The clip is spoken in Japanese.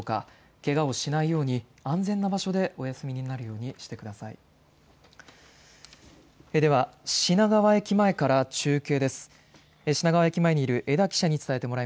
けがをしないように安全な場所でお休みになるようにしてください。